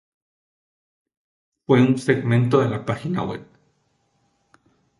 Fue un segmento de la página web.